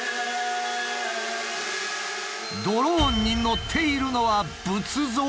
ドローンにのっているのは仏像！？